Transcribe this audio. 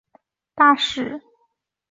后任法国驻伦敦大使。